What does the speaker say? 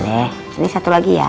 ini satu lagi ya